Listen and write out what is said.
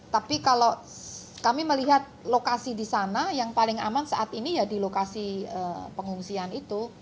tapi kalau kami melihat lokasi di sana yang paling aman saat ini ya di lokasi pengungsian itu